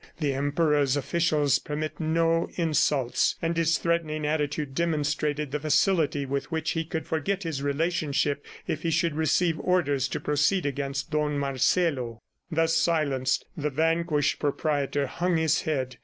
The Emperor's officials permit no insults." And his threatening attitude demonstrated the facility with which he could forget his relationship if he should receive orders to proceed against Don Marcelo. Thus silenced, the vanquished proprietor hung his head.